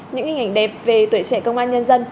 những hình ảnh đẹp về tuổi trẻ công an nhân dân